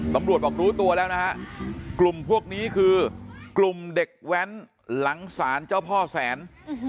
ตำรวจบอกรู้ตัวแล้วนะฮะกลุ่มพวกนี้คือกลุ่มเด็กแว้นหลังศาลเจ้าพ่อแสน